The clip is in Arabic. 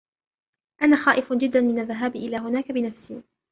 أنا خائف جداً من الذهاب إلى هناك بنفسي.